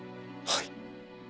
はい。